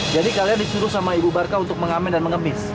jadi kalian disuruh sama ibu barkang untuk mengamen dan mengemis